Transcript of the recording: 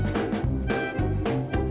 nanti aku kasihin dia aja pepiting